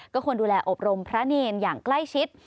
ก็ควรดูแลอบรมพระเนรอย่างใกล้ชิด